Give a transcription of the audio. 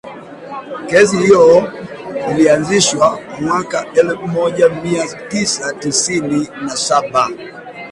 kesi hiyo ilianzishwa mwaka elfu moja mia tisa tisini na saba